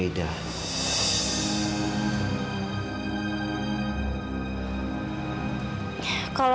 sehingga dia menganggap kamu seperti meda